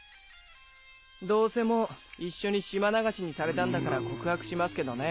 どうせもう一緒に島流しにされたんだから告白しますけどね。